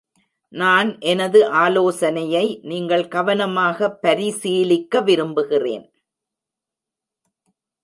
நான் எனது ஆலோசனையை நீங்கள் கவனமாக பரிசீலிக்க விரும்புகிறேன்.